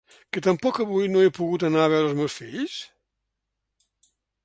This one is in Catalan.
Que tampoc avui no he pogut anar a veure els meus fills?